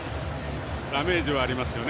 ダメージはありますよね